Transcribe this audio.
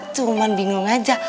cuman bingung aja